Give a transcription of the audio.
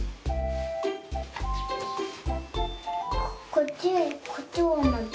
こっちこっちもまた。